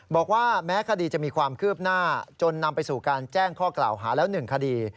บอกว่าแม้คดีจะมีความคืบหน้าจนนำไปสู่การแจ้งข้อกล่าวหาแล้ว๑คดี